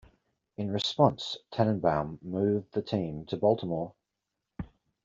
In response, Tanenbaum moved the team to Baltimore.